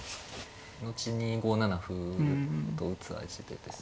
後に５七歩と打つ味でですね。